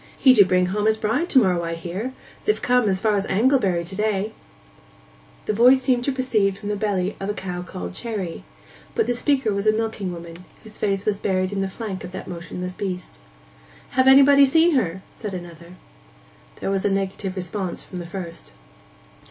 'He do bring home his bride to morrow, I hear. They've come as far as Anglebury to day.' The voice seemed to proceed from the belly of the cow called Cherry, but the speaker was a milking woman, whose face was buried in the flank of that motionless beast. 'Hav' anybody seen her?' said another. There was a negative response from the first.